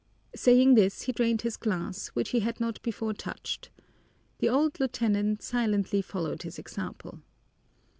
Saying this, he drained his glass, which he had not before touched. The old lieutenant silently followed his example.